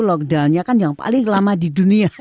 lockdownnya kan yang paling lama di dunia